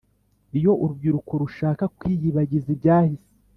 Iyo urubyiruko rushaka kwiyibagiza ibyahise